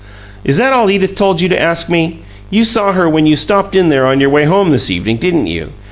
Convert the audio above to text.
"Is that all Edith told you to ask me? You saw her when you stopped in there on your way home this evening, didn't you?